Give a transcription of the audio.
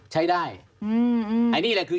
ใช้ได้อันนี้แหละคือ